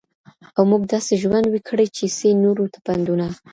او موږ داسي ژوند وي کړی چي سي نورو ته پندونه ..